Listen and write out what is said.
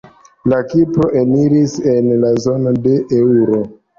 La Kipro eniris en la zono de eŭro.